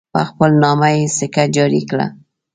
په خپل نامه یې سکه جاري کړه.